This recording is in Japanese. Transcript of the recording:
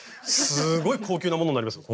すごい高級なものになりますよ。